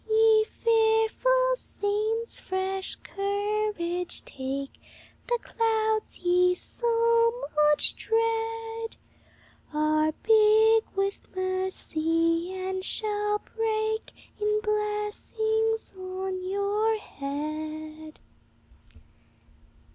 "Ye fearful saints, fresh courage take, The clouds ye so much dread Are big with mercy, and shall break In blessings on your head."